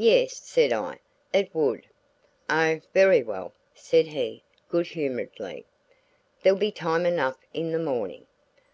"Yes," said I, "it would." "Oh, very well," said he, good humoredly. "There'll be time enough in the morning."